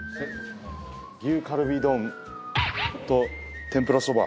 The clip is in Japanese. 牛カルビ丼と天ぷらそば。